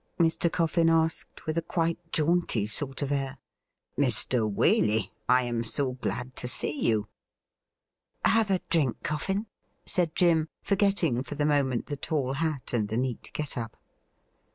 Mr. Coffin asked, with a quite jaunty sort of air. ' Mr. Waley, I am so glad to see you.' ' Have a drink. Coffin ?' said Jim, forgetting for the moment the tall hat and the neat get up.